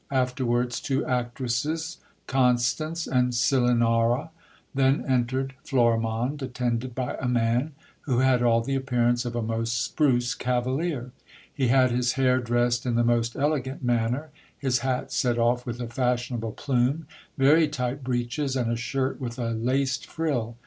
Afterwards two actresses, Constance and Celinaura ; then entered Florimonde, attended by a man who had all the appearance of a most spruce cavalier. He had his hair dressed in the most elegant manner, his hat set off with a fashionable plume, very tight breeches, and a shirt with a laced frill.